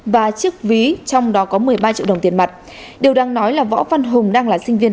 và chiếc ví trong đó có một mươi ba triệu đồng tiền mặt điều đang nói là võ văn hùng đang là sinh viên